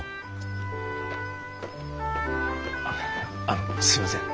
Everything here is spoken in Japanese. あのすみません。